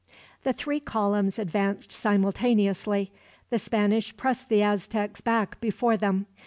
The three columns advanced simultaneously. The Spanish pressed the Aztecs back before them.